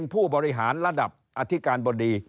ป่าว